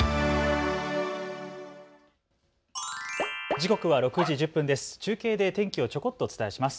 時刻は６時１０分です。